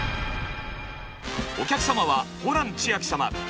お客様はホラン千秋様。